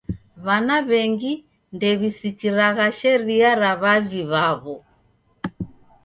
W'ana w'engi ndew'isikiragha sharia ra w'avi w'aw'o.